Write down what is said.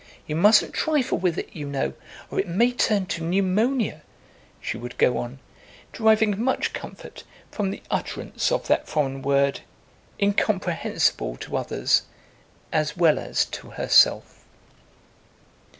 You mustn't trifle with it, you know, or it may turn to pneumonia," she would go on, deriving much comfort from the utterance of that foreign word, incomprehensible to others as well as to herself.